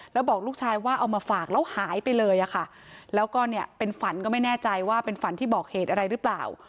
แล้วบอกลูกชายว่าเอามาฝากแล้วหายไปเลยอะค่ะแล้วก็เนี่ยเป็นฝันก็ไม่แน่ใจว่าเป็นฝันที่บอกเหตุอะไรหรือเปล่า